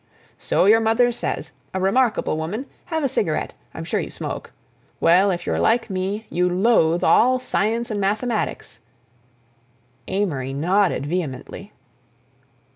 "So your mother says—a remarkable woman; have a cigarette—I'm sure you smoke. Well, if you're like me, you loathe all science and mathematics—" Amory nodded vehemently.